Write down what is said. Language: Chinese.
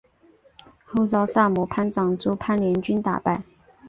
后遭萨摩藩长州藩联军打败。